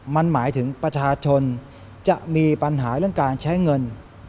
มันหมายถึงประชาชนจะมีปัญหาเรื่องการใช้เงิน